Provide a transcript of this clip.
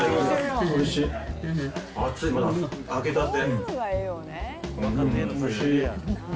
熱い、まだ揚げたて。